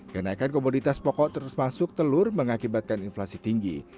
kenaikan komoditas pokok terus masuk telur mengakibatkan inflasi tinggi